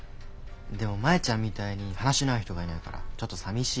でもマヤちゃんみたいに話の合う人がいないからちょっとさみしい。